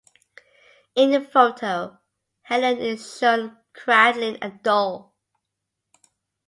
In the photo, Helen is shown cradling a doll.